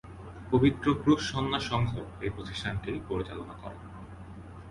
পবিত্র ক্রুশ সন্ন্যাস সংঘ এই প্রতিষ্ঠানটি পরিচালনা করে।